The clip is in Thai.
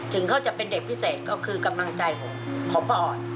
ถึงเขาจะเป็นเด็กพิเศษก็คือกำลังใจผมของป้าอ่อน